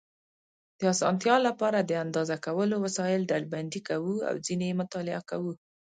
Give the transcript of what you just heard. د اسانتیا لپاره د اندازه کولو وسایل ډلبندي کوو او ځینې یې مطالعه کوو.